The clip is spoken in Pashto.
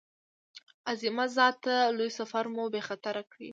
عظیمه ذاته لوی سفر مو بې خطره کړې.